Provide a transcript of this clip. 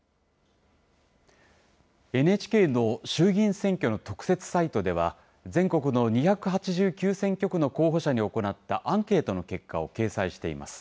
ＮＨＫの衆議院選挙の特設サイトでは、全国の２８９選挙区の候補者に行ったアンケートの結果を掲載しています。